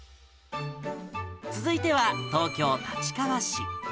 続いては、東京・立川市。